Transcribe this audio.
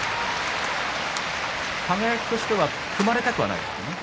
輝としては組まれたくないですね。